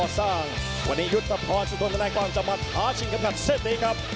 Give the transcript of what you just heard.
มาพร้อมกับเข็มขัด๔๙กิโลกรัมซึ่งตอนนี้เป็นของวัดสินชัยครับ